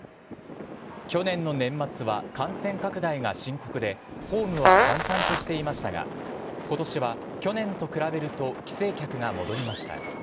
去年の年末は感染拡大が深刻で、ホームは閑散としていましたが、ことしは去年と比べると帰省客が戻りました。